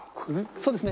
そうですね。